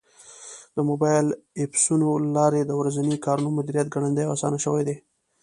د موبایل ایپسونو له لارې د ورځني کارونو مدیریت ګړندی او اسان شوی دی.